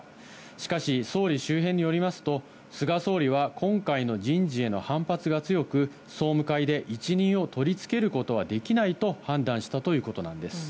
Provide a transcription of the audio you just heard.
しかし総理周辺によりますと、菅総理は今回の人事への反発が強く、総務会で一任を取り付けることはできないと判断したということなんです。